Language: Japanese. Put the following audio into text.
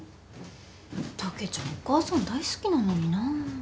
たけちゃんお母さん大好きなのにな。